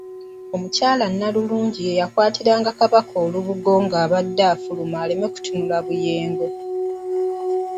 Omukyala Nnalunga ye yakwatiriranga Kabaka Jjuuko olubugo ng'abadde afuluma aleme kutunula Buyego.